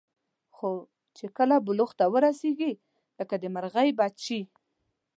خو چې کله بلوغ ته ورسېږي لکه د مرغۍ بچي.